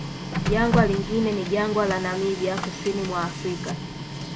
Jangwa lingine ni jangwa la Namibia kusini mwa Afrika